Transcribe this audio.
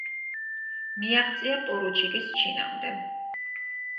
მიაღწია პორუჩიკის ჩინამდე.